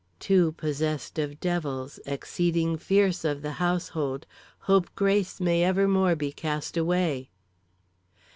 "Two possessed of devils, exceeding fierce of the household, hope Grace may evermore be cast away.